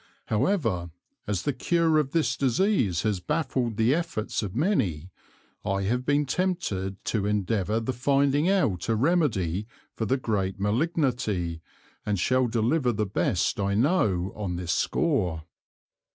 However as the Cure of this Disease has baffled the Efforts of many, I have been tempted to endeavour the finding out a Remedy for the great Malignity, and shall deliver the best I know on this Score.